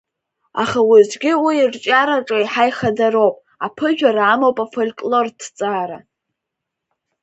Аха уеизгьы уи ирҿиараҿы еиҳа ихадароуп, аԥыжәара амоуп афольклорҭҵаара.